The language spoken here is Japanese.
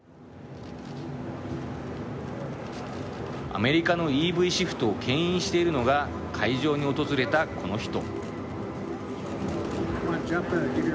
アメリカのＥＶシフトをけん引しているのが会場に訪れた、この人。